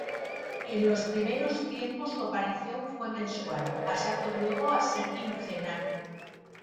En los primeros tiempos su aparición fue mensual, pasando luego a ser quincenal.